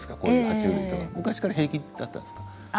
は虫類とか昔から平気だったんですか。